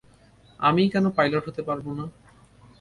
আমিই কেন পাইলট হতে পারব না।